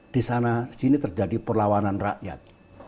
di sana sini terjadi perlawanan rakyat